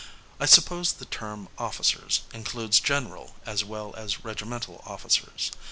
I suppose the term officers, includes general as well as regimental officers.